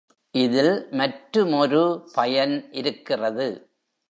இதில் மற்றுமொரு பயன் இருக்கிறது.